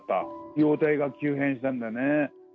容体が急変したんだね。